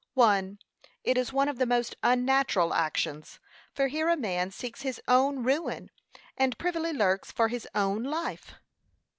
1. It is one of the most unnatural actions; for here a man seeks his own ruin, and privily lurks for his own life.